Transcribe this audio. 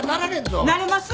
なれます。